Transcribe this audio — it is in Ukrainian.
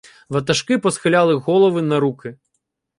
Ватажки посхиляли голови на руки.